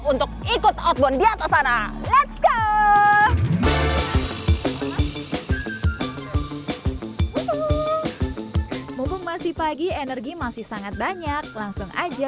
untuk ikut outbound di atas sana ⁇ lets ⁇ go mumpung masih pagi energi masih sangat banyak langsung aja